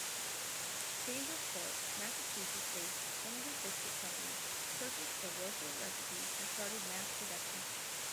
Cambridgeport, Massachusetts-based Kennedy Biscuit Company purchased the Roser recipe and started mass production.